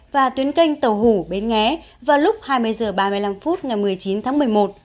và tuyến canh tàu hủ bến nghé vào lúc hai mươi h ba mươi năm phút ngày một mươi chín tháng một mươi một